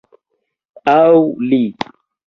Aŭ li